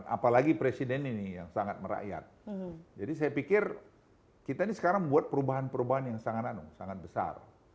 apalagi presiden ini yang sangat merakyat jadi saya pikir kita ini sekarang buat perubahan perubahan yang sangat anu sangat besar